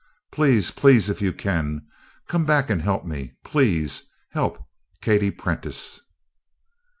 Please, please, if you can, come back and help me please help Katie Prentice!"